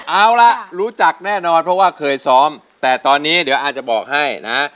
เอาล่ะรู้จักแน่นอนเพราะว่าเคยซ้อมแต่ตอนนี้เดี๋ยวอาจจะบอกให้นะ